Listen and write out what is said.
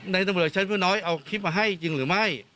ตำรวจชั้นผู้น้อยเอาคลิปมาให้จริงหรือไม่